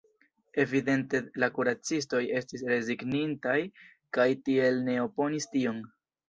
Evidente la kuracistoj estis rezignintaj kaj tial ne oponis tion.